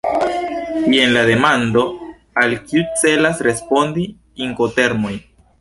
Jen la demando, al kiu celas respondi Inkotermoj.